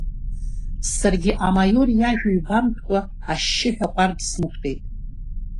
Саргьы амаиор иажәа ҩбамтәкәа ашьшьыҳәа аҟәардә снықәтәеит.